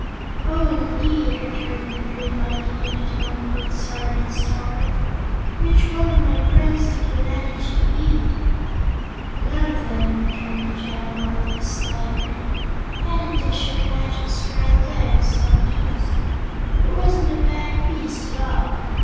"Oh, indeed!" returned the Green Monkey, in a tone both sorry and startled. "Which of my friends did you manage to eat?" "None of them," returned the Jaguar, with a sly grin "I had a dish of magic scrambled eggs on toast and it wasn't a bad feast, at all.